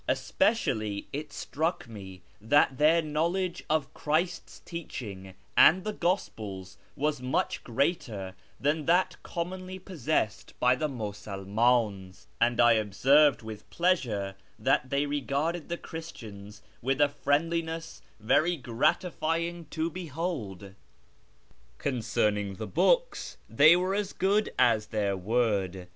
Especially it struck me that their knowledge of Christ's teaching and the gospels was much greater than that commonly possessed by the Musulmans, and I observed with pleasure that they re garded the Christians ^vith a friendliness very gratifying to behold. Concerning the books, they were as good as their word.